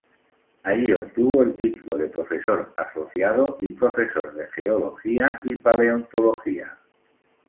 Allí obtuvo el título de professor asociado y profesor de geología y paleontología.